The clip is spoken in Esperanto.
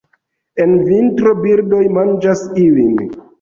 En vintro birdoj manĝas ilin.